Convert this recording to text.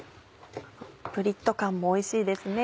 プリっと感もおいしいですね。